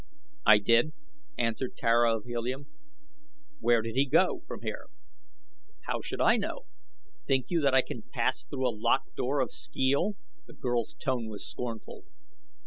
"I did," answered Tara of Helium. "Where did he go from here?" "How should I know? Think you that I can pass through a locked door of skeel?" the girl's tone was scornful.